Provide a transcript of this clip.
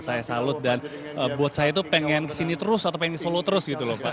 saya salut dan buat saya tuh pengen kesini terus atau pengen di solo terus gitu loh pak